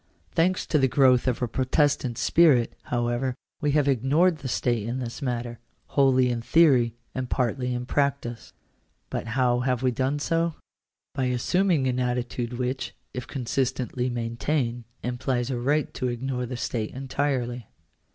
Thanks to the growth of a Protestant spirit, however, we have ignored the state in this matter — wholly in theory, and partly in practice. But how have we done so ? By assuming an attitude which, if con sistently maintained, implies a right to ignore the state entirely.